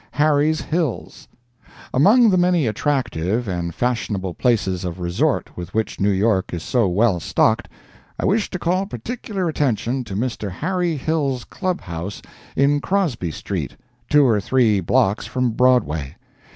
HARRY HILL'S AMONG the many attractive and fashionable places of resort with which New York is so well stocked, I wish to call particular attention to Mr. Harry Hill's Club House in Crosby street, two or three blocks from Broadway.